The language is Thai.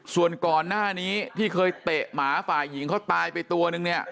ส่วนก่อนหน้านี้ที่เคยเตะหมาฝ่ายหญิงเขาตายไปตัวนึงเนี่ย